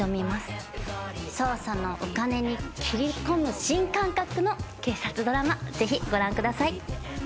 捜査のお金に切り込む新感覚の警察ドラマぜひご覧ください。